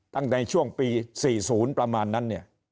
ตั้งในช่วงปี๔๐ประมาณนั้น